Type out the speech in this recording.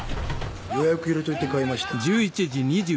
予約入れといて買いました。